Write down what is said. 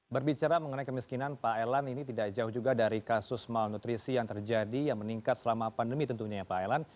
berbicara mengenai kemiskinan pak elan ini tidak jauh juga dari kasus malnutrisi yang terjadi yang meningkat selama pandemi tentunya ya pak elan